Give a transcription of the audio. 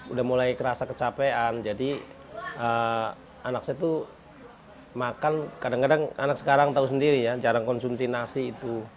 udah mulai kerasa kecapean jadi anak saya tuh makan kadang kadang anak sekarang tahu sendiri ya jarang konsumsi nasi itu